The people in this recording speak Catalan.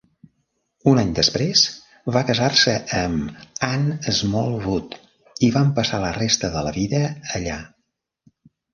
Un any després, va casar-se amb Anne Smallwood i van passar la resta de la vida allà.